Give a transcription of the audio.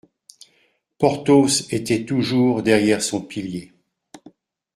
Porthos était toujours derrière son pilier.